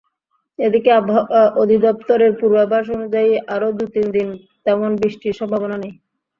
এদিকে আবহাওয়া অধিদপ্তরের পূর্বাভাস অনুযায়ী আরও দু-তিন দিন তেমন বৃষ্টির সম্ভাবনা নেই।